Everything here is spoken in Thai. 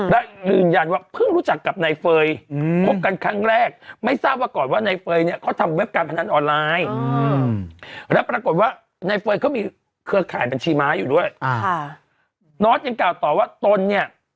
แล้วปรากฏว่านายเฟย์เขามีเครืออาฆาตบัญชีม้าอยู่ด้วยอ่าค่ะนอร์ดยังกล่าวต่อว่าตนเนี้ย